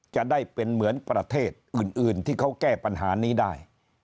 จะได้เป็นเหมือนประเทศอื่นที่เขาแก้ปัญหานี้ได้